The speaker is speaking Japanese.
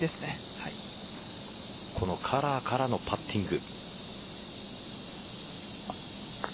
このカラーからのパッティング。